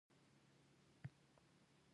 وکیلان ورسېدل.